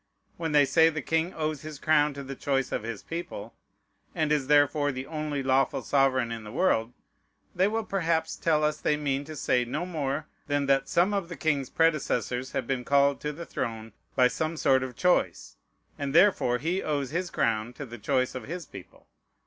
When they say the king owes his crown to the choice of his people, and is therefore the only lawful sovereign in the world, they will perhaps tell us they mean to say no more than that some of the king's predecessors have been called to the throne by some sort of choice, and therefore he owes his crown to the choice of his people.